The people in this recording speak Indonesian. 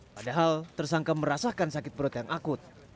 padahal tersangka merasakan sakit perut yang akut